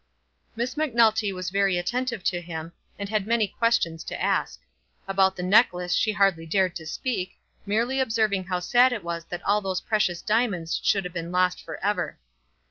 Miss Macnulty was very attentive to him, and had many questions to ask. About the necklace she hardly dared to speak, merely observing how sad it was that all those precious diamonds should have been lost for ever.